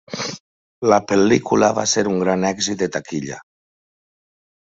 La pel·lícula va ser un gran èxit de taquilla.